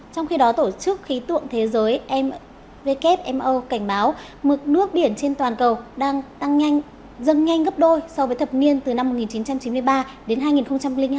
trong khi đó tổ chức khí tượng thế giới cảnh báo mực nước biển trên toàn cầu đang tăng nhanh dâng nhanh gấp đôi so với thập niên từ năm một nghìn chín trăm chín mươi ba đến hai nghìn hai